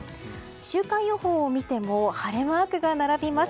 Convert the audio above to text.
週間予報を見ても晴れマークが並びます。